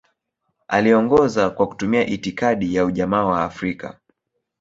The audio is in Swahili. Aliongoza kwa kutumia itikadi ya Ujamaa wa Afrika.